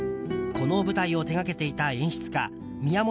この舞台を手掛けていた演出家・宮本亞